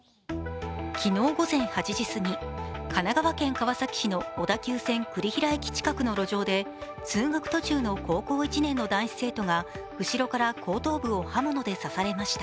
昨日午前８時すぎ、神奈川県川崎市の小田急線・栗平駅近くの路上で通学途中の高校１年の男子生徒が後ろから後頭部を刃物で刺されました。